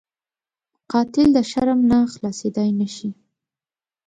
قاتل د شرم نه خلاصېدلی نه شي